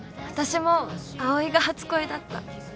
私も葵が初恋だった。